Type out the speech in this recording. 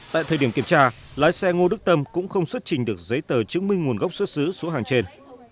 tại thời điểm kiểm tra lái xe ngô đức tâm cũng không xuất trình được giấy tờ chứng minh nguồn gốc xuất xứ số hàng trên